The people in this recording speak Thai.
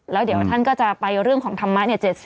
แล้วเดี๋ยวท่านก็จะไปเรื่องของธรรมะ๗๐